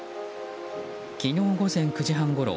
昨日、午前９時半ごろ